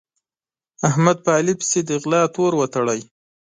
احمد په علي پسې د غلا تور وتاړه.